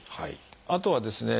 あとはですね